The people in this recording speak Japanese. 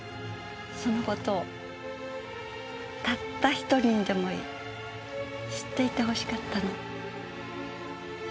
その事をたった１人にでもいい知っていてほしかったの。